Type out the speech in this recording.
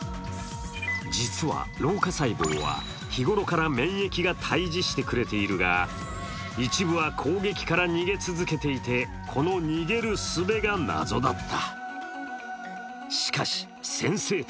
実は老化細胞は、日ごろから免疫が退治してくれているが、一部は攻撃から逃げ続けていてこの逃げるすべが謎だった。